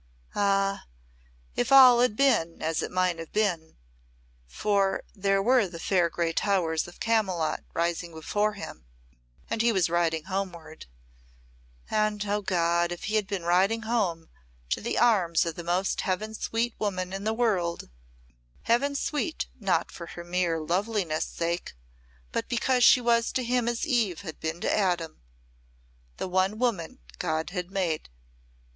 Ah, if all had been but as it might have been, for there were the fair grey towers of Camylott rising before him, and he was riding homeward and, oh, God, if he had been riding home to the arms of the most heaven sweet woman in the world heaven sweet not for her mere loveliness' sake, but because she was to him as Eve had been to Adam the one woman God had made.